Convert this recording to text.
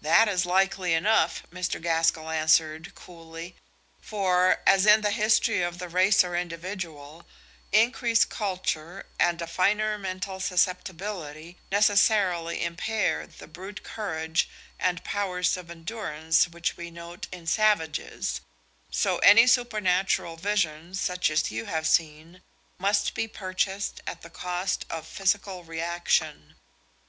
"That is likely enough," Mr. Gaskell answered, coolly; "for as in the history of the race or individual, increased culture and a finer mental susceptibility necessarily impair the brute courage and powers of endurance which we note in savages, so any supernatural vision such as you have seen must be purchased at the cost of physical reaction.